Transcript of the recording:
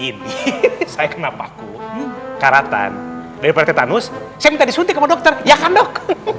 ini saya kenapa aku karatan dari pertenus saya minta disuntik sama dokter ya kan dok